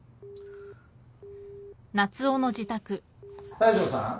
西條さん？